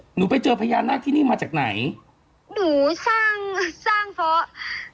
หนูไปเจอพญานาคที่นี่มาจากไหนหนูสร้างสร้างเพราะ